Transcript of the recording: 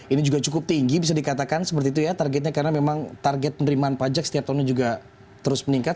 ini juga cukup tinggi bisa dikatakan seperti itu ya targetnya karena memang target penerimaan pajak setiap tahunnya juga terus meningkat